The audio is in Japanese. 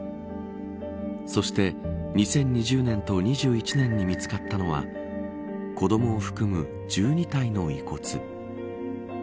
そして、２０２０年と２０２１年に見つかったのは子どもを含む１２体の遺骨。